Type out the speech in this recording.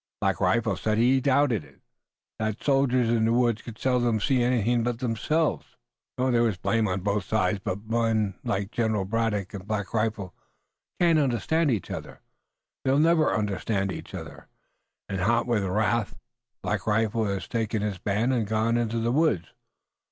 Black Rifle said he doubted it, that soldiers in the woods could seldom see anything but themselves. There was blame on both sides, but men like General Braddock and Black Rifle can't understand each other, they'll never understand each other, and, hot with wrath Black Rifle has taken his band and gone into the woods.